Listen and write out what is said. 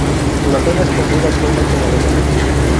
La pena es cumplida actualmente en Alemania.